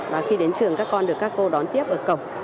và khi đến trường các con được các cô đón tiếp ở cổng